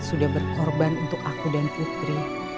sudah berkorban untuk aku dan putri